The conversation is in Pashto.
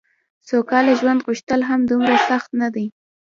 سوکاله ژوند غوښتل هم دومره سخت نه دي.